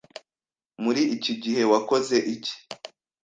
Muri iki gihe wakoze iki?